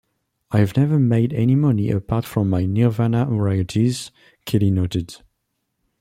"I've never made any money apart from my Nirvana royalties," Kelly noted.